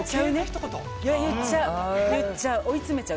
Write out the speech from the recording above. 言っちゃう。